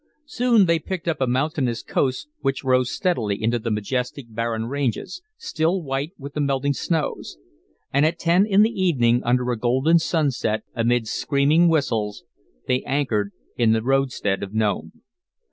Soon they picked up a mountainous coast which rose steadily into majestic, barren ranges, still white with the melting snows; and at ten in the evening under a golden sunset, amid screaming whistles, they anchored in the roadstead of Nome.